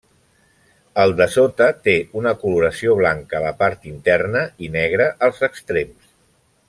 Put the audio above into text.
Al dessota té una coloració blanca a la part interna i negra als extrems.